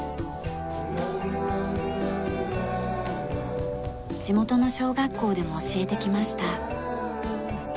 地元の小学校でも教えてきました。